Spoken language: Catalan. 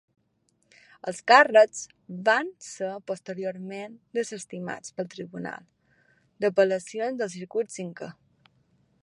Els càrrecs van ser posteriorment desestimats pel Tribunal d'Apel·lacions del circuit cinquè.